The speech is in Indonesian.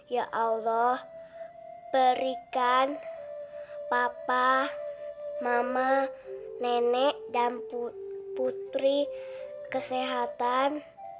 ya allah berikan papa mama nenek dan putri kesehatan